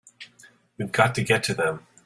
We've got to get to them!